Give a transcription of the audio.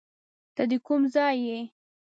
ته د کوم ځای یې؟